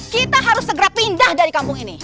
kita harus segera pindah dari kampung ini